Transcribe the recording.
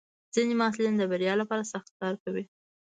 ځینې محصلین د بریا لپاره سخت کار کوي.